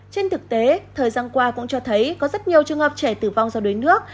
trên thực tế thời gian qua cũng cho thấy có rất nhiều trường hợp trẻ tử vong do đuối nước